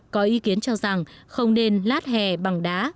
có ý kiến cho rằng không nên lát he bằng đá